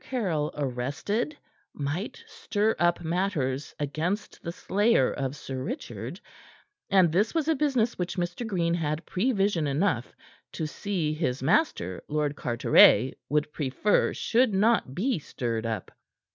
Caryll arrested might stir up matters against the slayer of Sir Richard, and this was a business which Mr. Green had prevision enough to see his master, Lord Carteret, would prefer should not be stirred up.